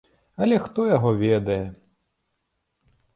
Але хто яго ведае.